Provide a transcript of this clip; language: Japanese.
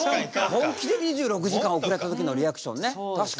本気で２６時間遅れた時のリアクションね。